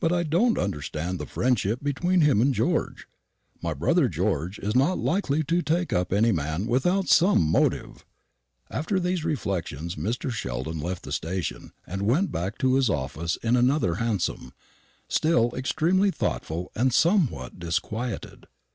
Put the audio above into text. But I don't understand the friendship between him and George. My brother George is not likely to take up any man without some motive." After these reflections Mr. Sheldon left the station and went back to his office in another hansom, still extremely thoughtful and somewhat disquieted.